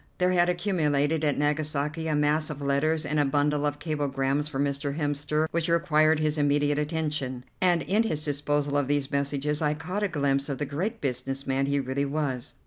There had accumulated at Nagasaki a mass of letters and a bundle of cablegrams for Mr. Hemster which required his immediate attention, and in his disposal of these messages I caught a glimpse of the great business man he really was.